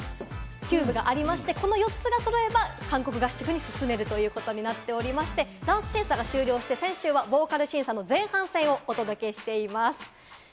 キューブがありまして、この４つが揃えば韓国合宿に進めるということになっておりまして、ダンス審査が終了して、先週はボーカル審査の前半戦をお届けしています。